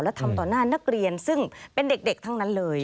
และทำต่อหน้านักเรียนซึ่งเป็นเด็กทั้งนั้นเลย